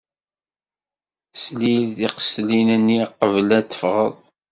Slil tiqseltin-nni qbel ad teffɣeḍ.